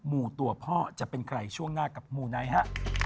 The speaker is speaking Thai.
หมู่ตัวพ่อจะเป็นใครช่วงหน้ากับมูไนท์ฮะ